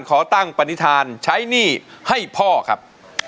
ขอตั้งปณิธานใช้หนี้ให้พ่อครับ